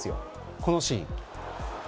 このシーン。